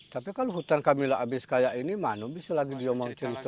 tapi kalau hutan kami habis kayak ini manu bisa lagi dia mau cerita